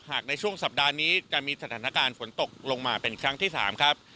ในช่วงสัปดาห์นี้จะมีสถานการณ์ฝนตกลงมาเป็นครั้งที่๓ครับ